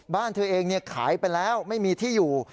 บ้านเธอเองขายไปแล้วไม่มีที่อยู่